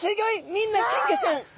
みんな金魚ちゃん！